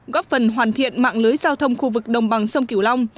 góp phần hoàn thiện mạng lưới giao thông khu vực đồng bằng sông kiểu long